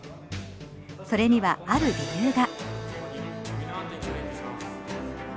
それにはある理由が。